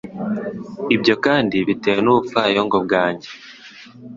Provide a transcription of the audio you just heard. ibyo kandi bitewe n’ubupfayongo bwanjye